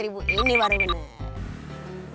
tiga ratus ribu ini baru menurut